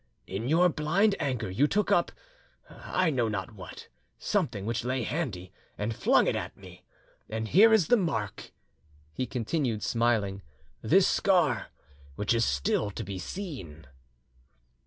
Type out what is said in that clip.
"In your blind anger you took up, I know not what, something which lay handy, and flung it at me. And here is the mark," he continued, smiling, "this scar, which is still to be seen."